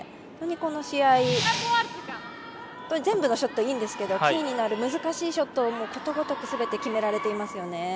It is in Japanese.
本当にこの試合、全部のショットいいんですけどもキーになる難しいショットをことごとくきれいに決められていますね。